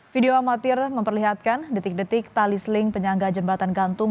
video amatir memperlihatkan detik detik tali seling penyangga jembatan gantung